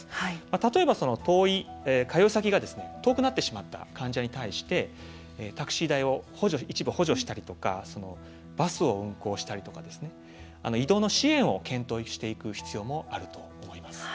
例えば、通い先が遠くなってしまった患者に対してタクシー代を一部補助したりとかバスを運行したりですとか移動の支援を検討していく必要もあると思います。